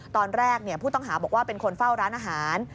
ตอนแรกผู้ต้องหาบอกว่าเป็นคนเฝ้าร้านอาหาร